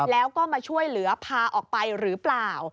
แล้วก็มาช่วยเหลือพาออกไปหรือเปล่า